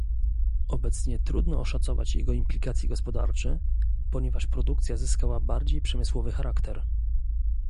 Obecnie trudno oszacować jego implikacje gospodarcze, ponieważ produkcja zyskała bardziej przemysłowy charakter